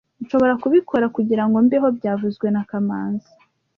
Nshobora kubikora kugirango mbeho byavuzwe na kamanzi